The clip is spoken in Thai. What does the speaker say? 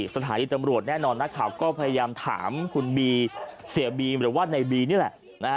สถานีตำรวจแน่นอนนักข่าวก็พยายามถามคุณบีเสียบีมหรือว่าในบีนี่แหละนะฮะ